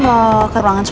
gue kurang merasa